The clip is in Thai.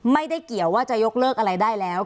ไม่ได้เกี่ยวว่าจะยกเลิกอะไรได้แล้ว